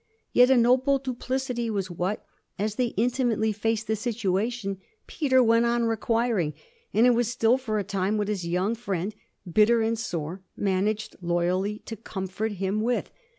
Yet a noble duplicity was what, as they intimately faced the situation, Peter went on requiring; and it was still for a time what his young friend, bitter and sore, managed loyally to comfort him with.